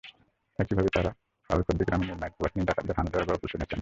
একইভাবে তাঁরা কালখরদী গ্রামে নীল মাইক্রোবাস নিয়ে ডাকাতদের হানা দেওয়ার গল্প শুনেছেন।